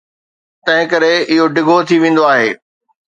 تنهنڪري اهو ڊگهو ٿي ويندو آهي.